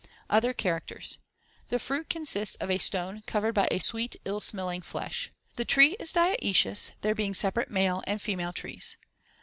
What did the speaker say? Other characters: The fruit consists of a stone covered by sweet, ill smelling flesh. The tree is dioecious, there being separate male and female trees.